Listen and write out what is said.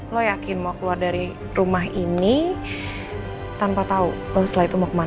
lo yakin mau keluar dari rumah ini tanpa tahu setelah itu mau kemana